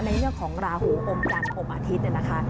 ในเรื่องของราหูอมจันทร์อมอาทิตย์เนี่ยนะคะ